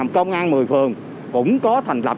công an một mươi phường cũng có thành lập